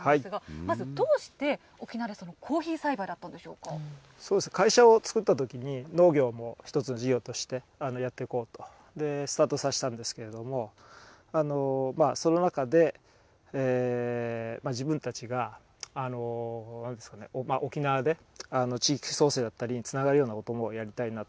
まずどうして沖縄でコーヒー栽培そうですね、会社を作ったときに、農業も一つの事業として、やっていこうとスタートさせたんですけれども、その中で、自分たちが沖縄で地域創生だったり、つながるようなことをやりたいなと。